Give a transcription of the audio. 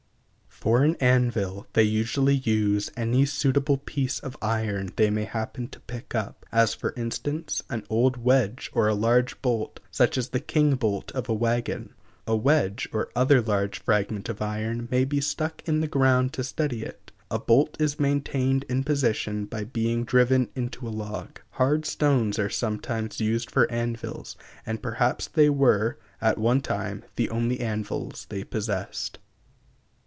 For an anvil they usually use any suitable piece of iron they may happen to pick up, as for instance an old wedge or a large bolt, such as the king bolt of a wagon. A wedge or other large fragment of iron may be stuck in the ground to steady it. A bolt is maintained in position by being driven into a log. Hard stones are still sometimes used for anvils and perhaps they were, at one time, the only anvils they possessed.